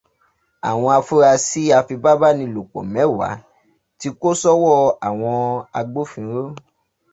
Àwọn afurasí afipábánilòpọ̀ mẹ́wàá ti kó sọ́wọ́ àwọn agbófinró